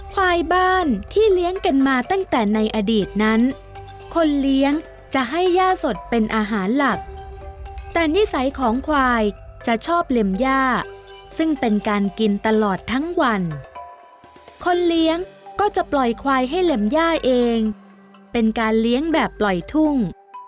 ควายบ้านที่เลี้ยงกันมาตั้งแต่ในอดีตนั้นคนเลี้ยงจะให้ย่าสดเป็นอาหารหลักแต่นิสัยของควายจะชอบเล็มย่าซึ่งเป็นการกินตลอดทั้งวันคนเลี้ยงก็จะปล่อยควายให้เล็มย่าเองเป็นการเลี้ยงแบบปล่อยทุ่ง